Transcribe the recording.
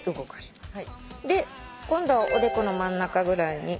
で今度はおでこの真ん中ぐらいに。